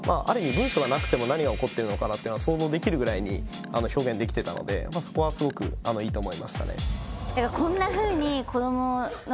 文章がなくても何が起こっているのかなっていうのが想像できるぐらいに表現できてたのでそこはすごくいいと思いましたね